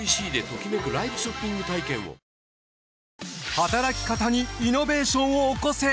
はたらき方にイノベーションを起こせ！